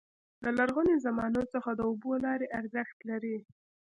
د لرغوني زمانو څخه د اوبو لارې ارزښت لري.